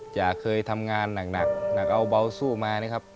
จะเคยทำงานหนักเอาเบาสู้มานะครับ